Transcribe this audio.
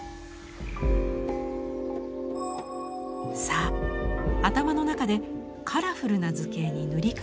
さあ頭の中でカラフルな図形に塗り替えてみましょう。